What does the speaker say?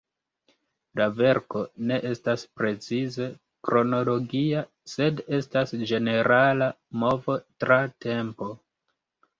La verko ne estas precize kronologia, sed estas ĝenerala movo tra tempo.